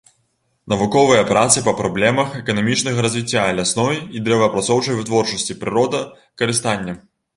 Навуковыя працы па праблемах эканамічнага развіцця, лясной і дрэваапрацоўчай вытворчасці, прыродакарыстання.